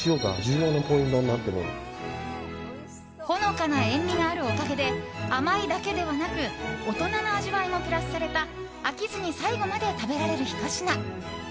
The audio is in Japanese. ほのかな塩味があるおかげで甘いだけではなく大人な味わいもプラスされた飽きずに最後まで食べられるひと品。